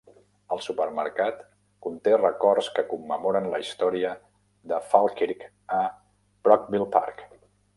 El supermercat conté records que commemoren la història de Falkirk a Brockville Park.